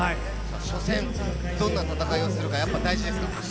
初戦、どんな戦いをするか、大事ですか。